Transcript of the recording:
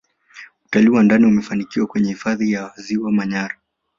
utalii wa ndani umefanikiwa kwenye hifadhi ya ziwa manyara